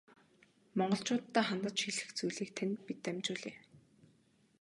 Монголчууддаа хандаж хэлэх зүйлийг тань бид дамжуулъя.